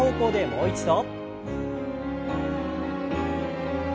もう一度。